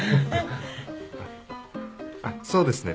あっあっそうですね。